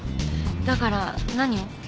だから何を？